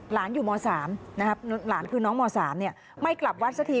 หลานอยู่ม๓นะครับหลานคือน้องม๓ไม่กลับวัดสักที